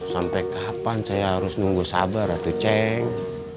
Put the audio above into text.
sampai kapan saya harus nunggu sabar atau ceng